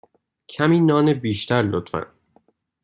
کمی نان بیشتر، لطفا.